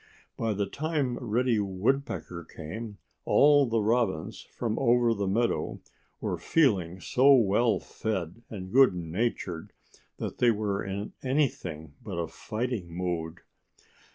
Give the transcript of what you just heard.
By the time Reddy Woodpecker came, all the Robins from over the meadow were feeling so well fed and good natured that they were in anything but a fighting mood.